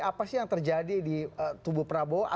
apa sih yang terjadi di tubuh prabowo